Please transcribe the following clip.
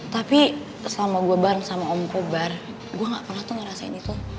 tapi selama gue bareng sama om kobar gue gak pernah tuh ngerasain itu